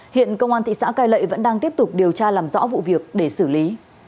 hiện công an thị xã cai lệ vẫn đang tiếp tục điều tra làm rõ vụ việc để xử lý